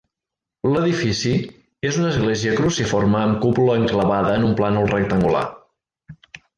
L'edifici és una església cruciforme amb cúpula enclavada en un plànol rectangular.